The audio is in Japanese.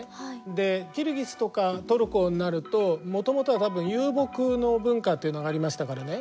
でキルギスとかトルコになるともともとは遊牧の文化っていうのがありましたからね。